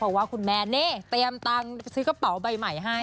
เพราะว่าคุณแม่นี่เตรียมตังค์ซื้อกระเป๋าใบใหม่ให้